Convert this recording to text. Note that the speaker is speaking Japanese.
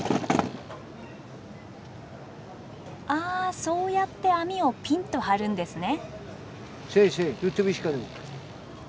あそうやって網をピンと張るんですね。